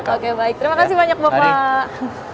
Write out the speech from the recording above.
oke baik terima kasih banyak bapak